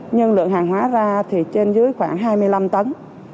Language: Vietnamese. nhưng lượng hàng hóa ra thì trên dưới khoảng hai mươi năm tấn